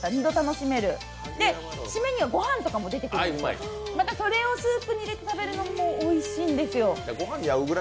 しめには御飯とかも楽しめるのでまたそれをスープに入れて食べるのもおいしいんですよ。